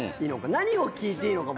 何を聞いていいのかも。